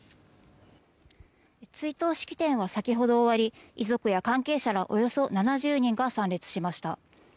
追悼式典はさきほど終わり遺族や関係者らおよそ７０人が参列しました。